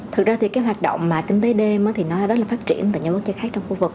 thực ra thì cái hoạt động kinh tế đêm thì nói là rất là phát triển tại những mức giới khác trong khu vực